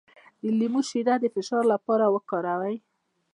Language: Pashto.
د لیمو شیره د فشار لپاره وکاروئ